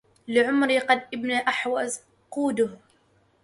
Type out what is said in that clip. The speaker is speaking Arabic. لعمري لقد قاد ابن أحوز قودة